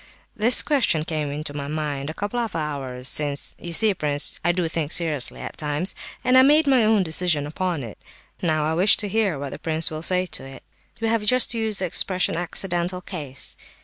This question came into my mind a couple of hours since (you see, prince, I do think seriously at times), and I made my own decision upon it; now I wish to hear what the prince will say to it." "We have just used the expression 'accidental case.